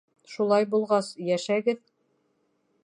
— Шулай булғас, йәшәгеҙ!